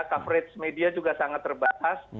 top rates media juga sangat terbatas